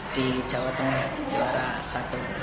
di jawa tengah juara satu